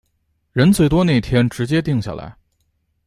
人最多那天直接定下来